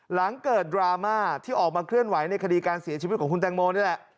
หลังเกิดดราม่าที่ออกมาเคลื่อนไหวในคดีการเสียชีวิตของคุณแตงโมนี่แหละ